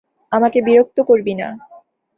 আমাকে বিরক্ত করবি না!